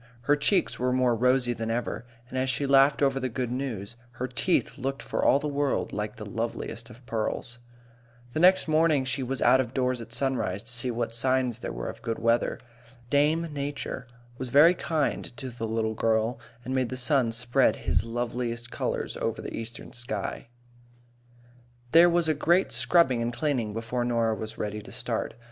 Her cheeks were more rosy than ever, and as she laughed over the good news, her teeth looked for all the world like the loveliest of pearls. The next morning she was out of doors at sunrise, to see what signs there were of good weather. Dame Nature was very kind to the little girl, and made the sun spread his loveliest colours over the eastern sky. There was a great scrubbing and cleaning before Norah was ready to start.